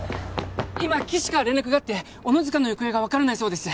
今岸から連絡があって小野塚の行方が分からないそうです